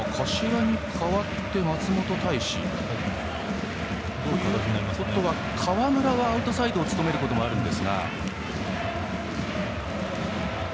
柏に代わって松本泰志。ということは川村はアウトサイドを務めることもあるんですが。